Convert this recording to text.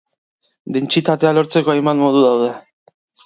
Dentsitatea lortzeko hainbat modu daude.